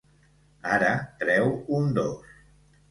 Ara treu un dos.